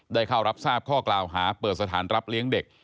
เข้ารับทราบข้อกล่าวหาเปิดสถานรับเลี้ยงเด็ก